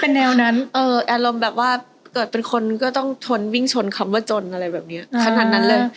เป็นแนวนั้นอารมณ์แบบว่าเกิดเป็นคนก็ต้องทนวิ่งชนคำว่าจนอะไรแบบนี้ขนาดนั้นเลย